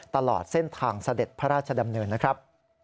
ตลอดเส้นทางเสด็จพระราชดำเนินนะครับ